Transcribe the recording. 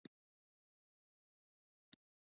څارنه څنګه کیږي؟